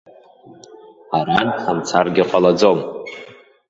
Арантә ҳамцаргьы ҟалаӡом.